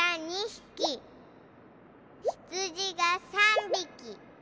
ひつじが６ぴき。